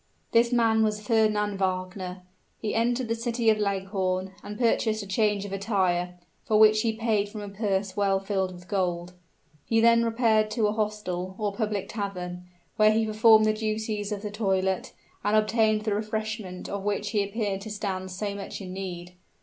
This man was Fernand Wagner. He entered the city of Leghorn, and purchased a change of attire, for which he paid from a purse well filled with gold. He then repaired to a hostel, or public tavern, where he performed the duties of the toilet, and obtained the refreshment of which he appeared to stand so much in need.